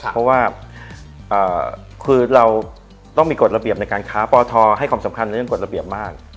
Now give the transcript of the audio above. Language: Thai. เพราะว่าคือเราต้องมีกฎระเบียบในการค้าปทให้ความสำคัญในเรื่องกฎระเบียบมาก